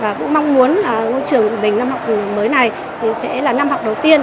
và cũng mong muốn trường mình năm học mới này sẽ là năm học đầu tiên